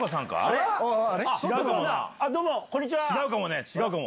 違うか、違うかも。